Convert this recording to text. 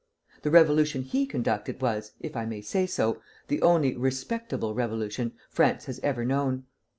The revolution he conducted was, if I may say so, the only respectable revolution France has ever known.